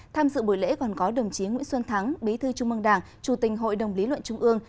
tham dự buổi lễ còn có đồng chí nguyễn xuân thắng bí thư trung mương đảng chủ tình hội đồng lý luận trung ương